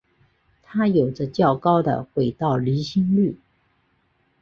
它有着较高的轨道离心率。